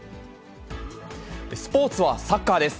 スポーツはサッカーです。